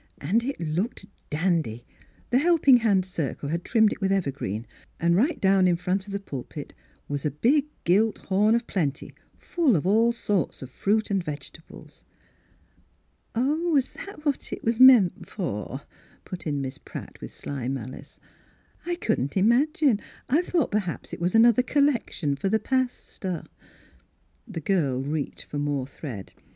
And it looked dandy ; the Helping Hand Circle had trimmed it with evergreen, and right down in front of the pulpit was a big gilt horn of plenty full of all sorts of fruit and vegetables." " Oh, was that what it was meant for," put in Miss Pratt, with sly malice ;" I couldn't imagine ; I thought perhaps it was another collection for the pastor." The girl reached for more thread.